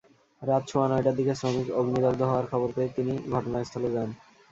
রাত সোয়া নয়টার দিকে শ্রমিক অগ্নিদগ্ধ হওয়ার খবর পেয়ে তিনি ঘটনাস্থলে যান।